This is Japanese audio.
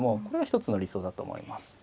これが一つの理想だと思います。